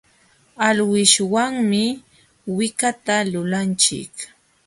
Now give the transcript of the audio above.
Alwishwanmi wikata lulanchik.